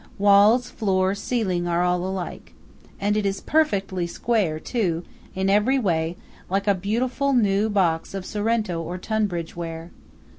Walls, floor, ceiling are all alike. And it is perfectly square, too, in every way, like a beautiful little new box of Sorrento or Tunbridge ware.